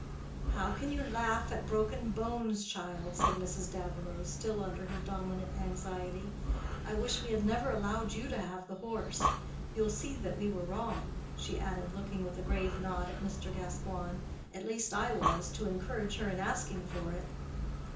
"How can you laugh at broken bones, child?" said Mrs. Davilow, still under her dominant anxiety. "I wish we had never allowed you to have the horse. You will see that we were wrong," she added, looking with a grave nod at Mr. Gascoigne—"at least I was, to encourage her in asking for it."